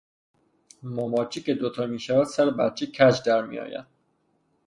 ماماچه که دو تا میشود سر بچه کج درمیاید